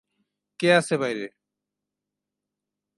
কে আছে বাইরে?